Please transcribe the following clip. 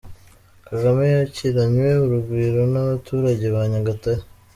Kagame yakiranywe urugwiro n'abaturage ba Nyagatare.